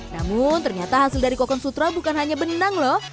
namun ternyata hasil dari kokon sutra bukan hanya benang loh